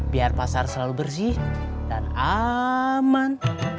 biar pasar selalu bersih dan aman